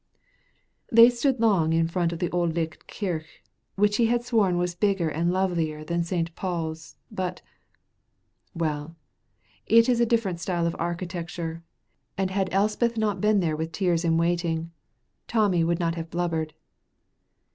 They stood long in front of the Auld Licht kirk, which he had sworn was bigger and lovelier than St. Paul's, but well, it is a different style of architecture, and had Elspeth not been there with tears in waiting, Tommy would have blubbered.